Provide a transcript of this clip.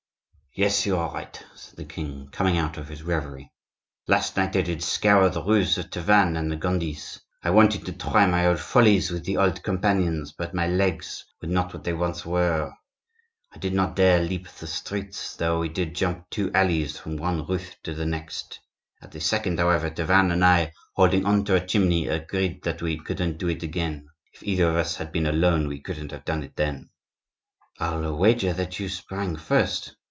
"Yes, you are right," said the king, coming out of his reverie, "last night I did scour the roofs with Tavannes and the Gondis. I wanted to try my old follies with the old companions; but my legs were not what they once were; I did not dare leap the streets; though we did jump two alleys from one roof to the next. At the second, however, Tavannes and I, holding on to a chimney, agreed that we couldn't do it again. If either of us had been alone we couldn't have done it then." "I'll wager that you sprang first."